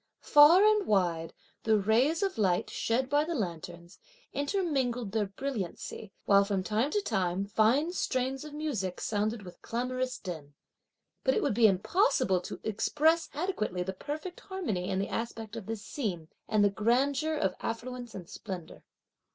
Far and wide, the rays of light, shed by the lanterns, intermingled their brilliancy, while, from time to time, fine strains of music sounded with clamorous din. But it would be impossible to express adequately the perfect harmony in the aspect of this scene, and the grandeur of affluence and splendour.